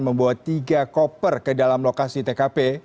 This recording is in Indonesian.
membawa tiga koper ke dalam lokasi tkp